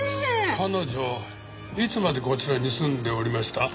彼女いつまでこちらに住んでおりました？